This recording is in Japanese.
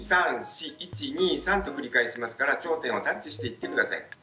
で２３４１２３と繰り返しますから頂点をタッチしていって下さい。